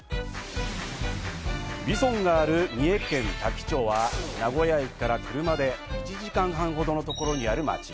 ＶＩＳＯＮがある三重県多気町は名古屋駅から車で１時間半ほどのところにある町。